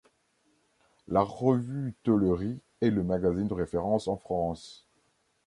La revue Tôlerie est le magazine de référence en France.